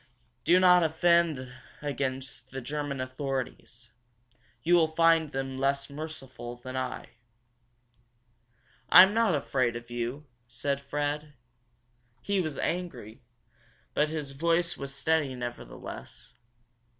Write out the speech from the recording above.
Do not offend against the German authorities. You will find them less merciful than I." "I'm not afraid of you," said Fred. He was angry, but his voice was steady nevertheless.